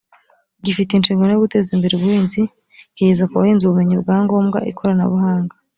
gifite inshingano yo guteza imbere ubuhinzi kigeza ku bahinzi ubumenyi bwa ngombwa ikoranabuhanga